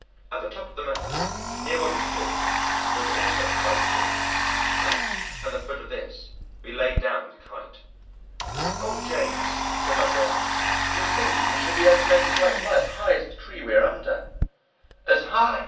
At the top of the meadow, near where we stood, there was also a high tree, and at the foot of this we laid down the Kite. "O, James," said my brother, "do you think we shall be able to make the Kite fly as high as the tree we are under?" "As high!"